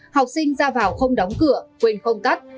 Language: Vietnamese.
học sinh ra vào không đóng cửa quên không tắt